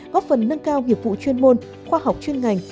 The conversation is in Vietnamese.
góp phần nâng cao nghiệp vụ chuyên môn khoa học chuyên ngành